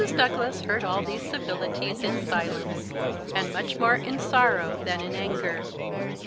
Douglas heard all these civilities in silence, and much more "in sorrow than in anger."